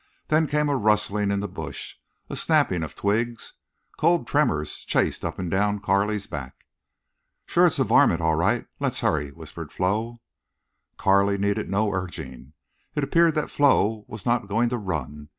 There came a rustling in the brush, a snapping of twigs. Cold tremors chased up and down Carley's back. "Shore it's a varmint, all right. Let's hurry," whispered Flo. Carley needed no urging. It appeared that Flo was not going to run.